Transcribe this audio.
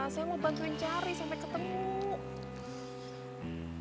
saya mau bantuin cari sampai ketemu